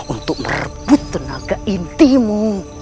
untuk merebut tenaga intimu